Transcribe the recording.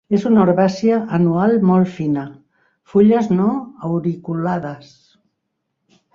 És una herbàcia anual molt fina. Fulles no auriculades.